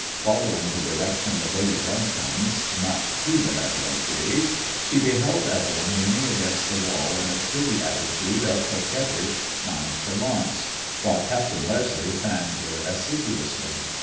Following the direction of Lady Duncombe's not too benevolent gaze, she beheld Evelyn leaning against the wall in a pretty atti tude of coquettish nonchalance, while Captain Leslie fanned her assiduously.